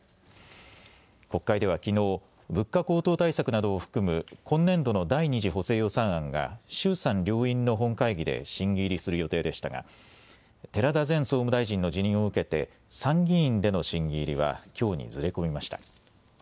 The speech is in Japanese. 国会ではきのう物価高騰対策などを含む今年度の第２次補正予算案が衆参両院の本会議で審議入りする予定でしたが寺田前総務大臣の辞任を受けて参議院での審議入りはきょうにずれ込みました。